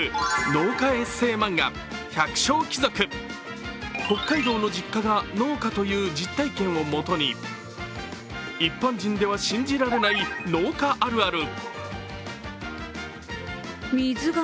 農家エッセイ漫画「百姓貴族」、北海道の実家が農家という実体験をもとに一般人では信じられない農家あるある。